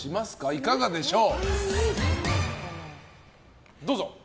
いかがでしょう？